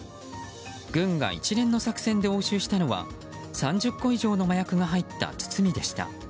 軍が一連の作戦で押収したのは３０個以上の麻薬が入った包みでした。